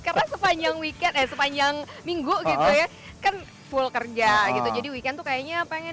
karena sepanjang weekend sepanjang minggu gitu ya kan full kerja gitu jadi weekend kayaknya pengen